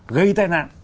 gây tai nạn